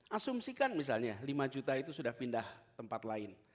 asumsikan misalnya lima juta itu sudah pindah tempat lain